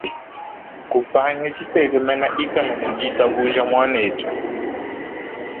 Kupangi ditekemena ikala ne ditabuja muanetu.